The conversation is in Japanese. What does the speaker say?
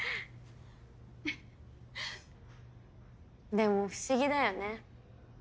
でも不思議だよね。